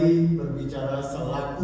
tidak ada pesanan dari manapun